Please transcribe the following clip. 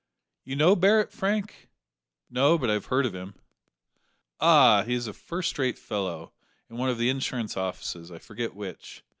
"You know Barret, Frank?" "No; but I have heard of him." "Ah, he's a first rate fellow in one of the insurance offices I forget which.